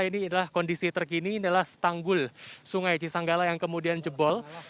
ini adalah kondisi terkini adalah tanggul sungai cisanggala yang kemudian jebol